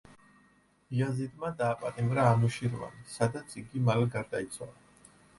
იაზიდმა დააპატიმრა ანუშირვანი, სადაც იგი მალე გარდაიცვალა.